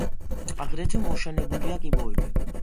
აგრეთვე მოშენებულია კიბოები.